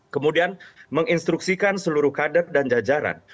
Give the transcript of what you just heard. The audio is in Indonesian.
kemudian menginstruksikan seluruh kader dan jajaran